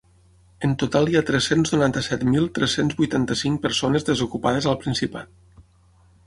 En total hi ha tres-cents noranta-set mil tres-cents vuitanta-cinc persones desocupades al Principat.